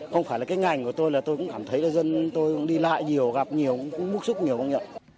không phải là cái ngành của tôi là tôi cũng cảm thấy là dân tôi đi lại nhiều gặp nhiều cũng bức xúc nhiều không nhận